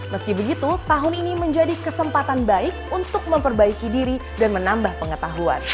meski begitu tahun ini menjadi kesempatan baik untuk memperbaiki diri dan menambah pengetahuan